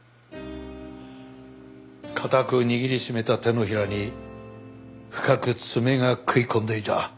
固く握りしめた手のひらに深く爪が食い込んでいた。